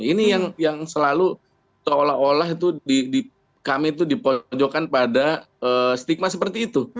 ini yang selalu seolah olah itu kami itu dipojokkan pada stigma seperti itu